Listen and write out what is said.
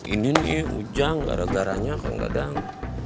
ini nih ujang gara garanya kang dadang